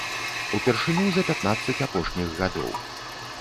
Упершыню за пятнаццаць апошніх гадоў.